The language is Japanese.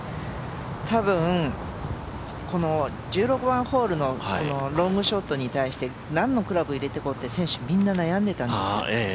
多分、１６番ホールのロングショットに対して何のクラブを入れていこうと、選手みんな悩んでいたんですよ。